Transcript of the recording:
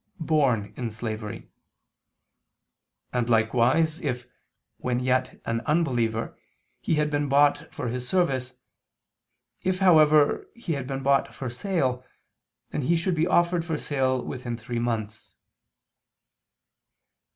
born in slavery; and likewise if, when yet an unbeliever, he had been bought for his service: if, however, he had been bought for sale, then he should be offered for sale within three months.